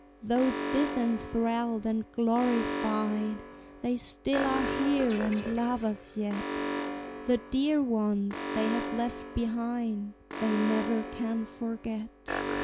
Though disenthralled and glorified, They still are here and love us yet; The dear ones they have left behind They never can forget.